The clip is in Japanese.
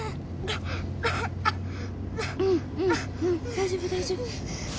大丈夫大丈夫。